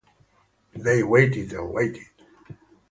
They waited and waited.